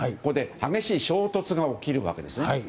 激しい衝突が起きるわけですね。